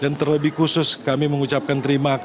dan terlebih khusus kami mengucapkan terima kasih